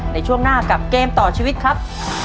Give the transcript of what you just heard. ในช่วงหน้ากับเกมต่อชีวิตครับ